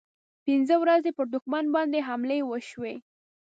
پنځه ورځې پر دښمن باندې حملې وشوې.